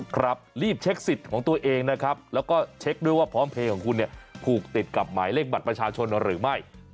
ครับรีบเช็คสิทธิ์ของตัวเองนะครับแล้วก็เช็คด้วยว่าพร้อมเพลย์ของคุณเนี่ยผูกติดกับหมายเลขบัตรประชาชนหรือไม่